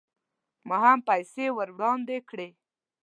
ما هم پیسې ور وړاندې کړې.